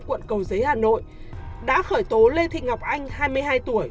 quận cầu giấy hà nội đã khởi tố lê thị ngọc anh hai mươi hai tuổi